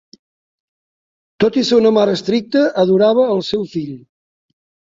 Tot i ser una mare estricta, adorava el seu fill.